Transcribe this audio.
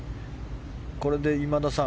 これで今田さん